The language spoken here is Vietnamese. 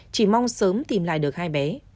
chỉ mong sớm tìm lại được hai bé